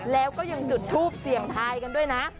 แล้วก็ยังจุดทูปเสี่ยงทายกันด้วยนะ